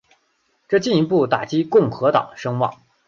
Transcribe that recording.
这进一步打击共和党声望。